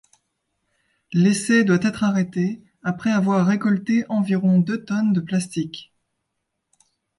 L'essai doit être arrêté, après avoir récolté environ deux tonnes de plastique.